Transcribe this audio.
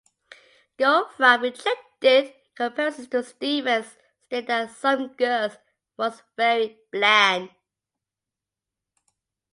Goldfrapp rejected comparisons to Stevens, stating that "Some Girls" was "very bland".